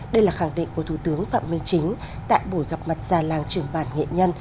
đây là khẳng định của thủ tướng phạm minh chính tại buổi gặp mặt già làng trường bản nghệ nhân